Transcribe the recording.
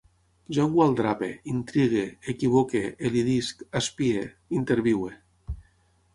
Jo engualdrape, intrigue, equivoque, elidisc, espie, interviue